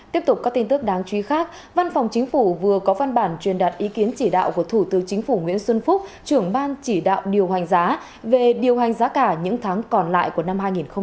tiếp tục các tin tức đáng chú ý khác văn phòng chính phủ vừa có văn bản truyền đạt ý kiến chỉ đạo của thủ tướng chính phủ nguyễn xuân phúc trưởng ban chỉ đạo điều hành giá về điều hành giá cả những tháng còn lại của năm hai nghìn hai mươi